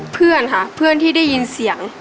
เพื่อนค่ะเพื่อนที่ได้ยินเสียง